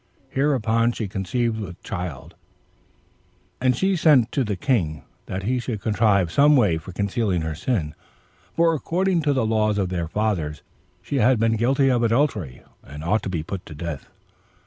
Hereupon she conceived with child, and sent to the king, that he should contrive some way for concealing her sin [for, according to the laws of their fathers, she who had been guilty of adultery ought to be put to death].